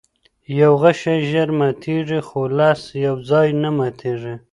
یوه غشی ژر ماتیږي، خو لس یوځای نه ماتیږي.